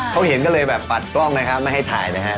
ฉันก็เลยปัดกล้องนะครับไม่ให้ถ่ายนะครับ